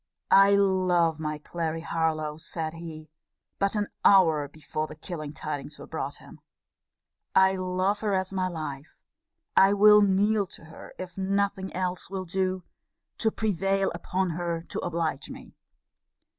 I love my Clary Harlowe, said he, but an hour before the killing tidings were brought him; I love her as my life: I will kneel to her, if nothing else will do, to prevail upon her to oblige me.